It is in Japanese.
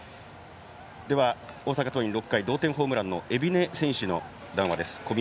では、大阪桐蔭６回、同点ホームランの海老根選手の談話です。